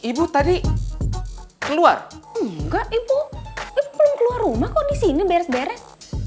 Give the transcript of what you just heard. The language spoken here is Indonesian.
ibu tadi keluar enggak ibu belum keluar rumah kok di sini beres beres